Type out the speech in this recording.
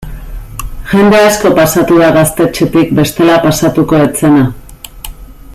Jende asko pasatu da gaztetxetik bestela pasatuko ez zena.